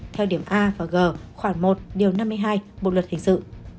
theo điểm a và g khoảng một điều năm mươi hai bộ luật hình sự